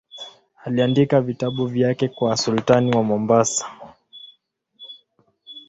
Aliandika vitabu vyake kwa sultani wa Mombasa.